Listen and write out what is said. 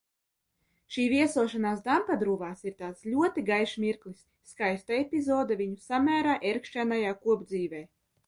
Šī viesošanās Dampadruvās ir tāds ļoti gaišs mirklis, skaista epizode viņu samērā ērkšķainajā kopdzīvē.